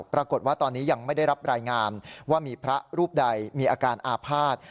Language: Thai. ปรากฏว่าตอนนี้ยังไม่ได้รับรายงานว่ามีพระรูปใดมีอาการอาภาษณ์